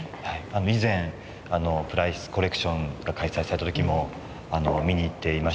以前プライスコレクションが開催された時も見に行っていましたし。